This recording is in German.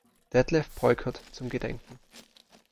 Detlev Peukert zum Gedenken.